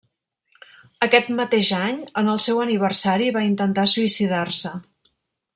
Aquest mateix any, en el seu aniversari va intentar suïcidar-se.